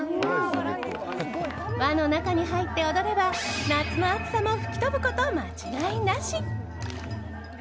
輪の中に入って踊れば夏の暑さも吹き飛ぶこと間違いなし。